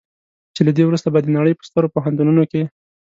چې له دې وروسته به د نړۍ په سترو پوهنتونونو کې.